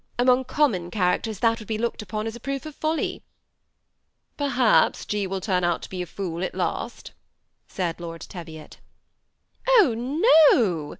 amongst common char acters that would be looked upon as a proof of folly." " Perhaps G. will turn out to be a fool at last," said Lord Teviot. " Oh, no